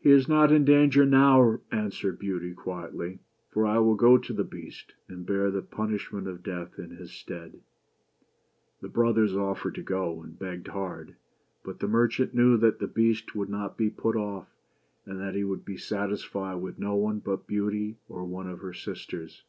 "He is not in danger now," answered Beauty quietly, " for I will go to the Beast and bear the punishment of death in his stead. The brothers offered to go, and begged hard ; but the merchant knew that the Beast would not be put off, and that he would be satisfied with no one but Beauty, or one of her sisters.